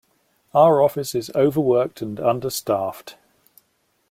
Our office is overworked and understaffed.